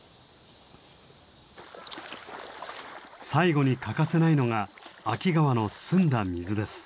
最後に欠かせないのが秋川の澄んだ水です。